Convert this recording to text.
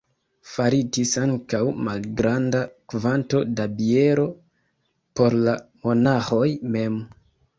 Faritis ankaŭ malgranda kvanto da biero por la monaĥoj mem.